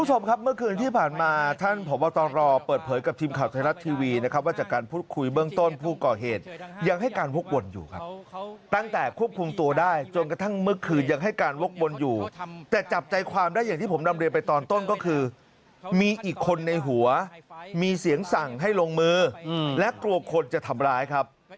ก็คือคดีเกี่ยวกับเด็กเนี่ยต้องใช้ความระมัดระวังครับ